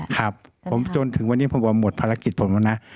ครับผมจนถึงวันนี้ผมว่าหมดภารกิจผมแล้วนะ